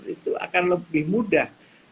itu akan lebih mudah